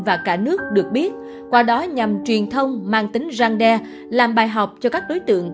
và cả nước được biết qua đó nhằm truyền thông mang tính răng đe làm bài học cho các đối tượng